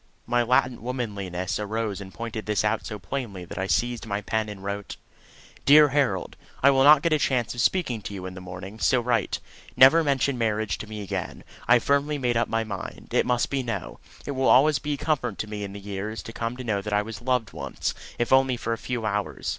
My latent womanliness arose and pointed this out so plainly that I seized my pen and wrote: DEAR HAROLD, I will not get a chance of speaking to you in the morning, so write. Never mention marriage to me again. I have firmly made up my mind it must be No. It will always be a comfort to me in the years to come to know that I was loved once, if only for a few hours.